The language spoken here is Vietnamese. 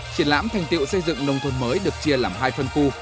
triển lãm thành tiệu xây dựng nông thôn mới được chia làm hai phân khu